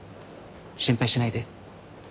心配しないで。